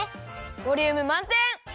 ボリュームまんてん！